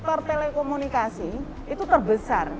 sektor telekomunikasi itu terbesar